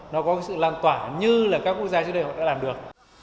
nó có cái sự lan tỏa như là các quốc gia trước đây họ đã làm được